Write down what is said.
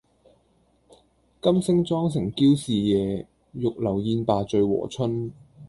金星妝成嬌侍夜，玉樓宴罷醉和春。